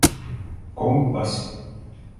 Компас